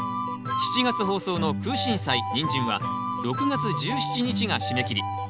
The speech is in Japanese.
７月放送のクウシンサイニンジンは６月１７日が締め切り。